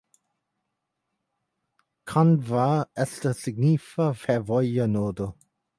Kandva estas signifa fervoja nodo.